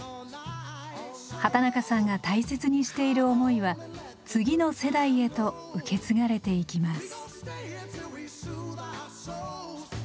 畠中さんが大切にしている思いは次の世代へと受け継がれていきます。